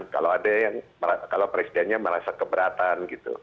kalau ada yang kalau presidennya merasa keberatan gitu